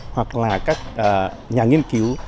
hoặc là các nhà nghiên cứu